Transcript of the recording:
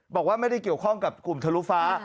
บอกว่าไม่ได้เกี่ยวข้องกับกลุ่มทะลุฟ้า